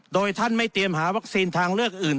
โดยท่านไม่เตรียมหาวัคซีนทางเลือกอื่น